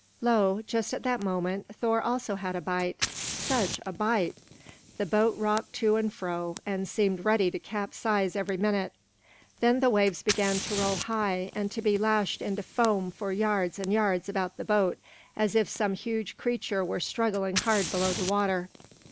Lo, just at that moment Thor also had a bite such a bite! The boat rocked to and fro, and seemed ready to capsize every minute. Then the waves began to roll high and to be lashed into foam for yards and yards about the boat, as if some huge creature were struggling hard below the water.